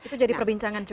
itu jadi perbincangan juga